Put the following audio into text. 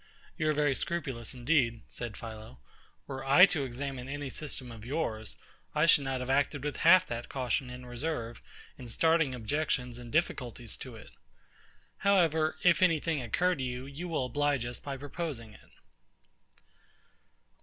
You are very scrupulous, indeed, said PHILO: were I to examine any system of yours, I should not have acted with half that caution and reserve, in starting objections and difficulties to it. However, if any thing occur to you, you will oblige us by proposing it.